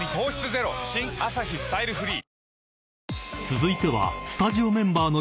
［続いては］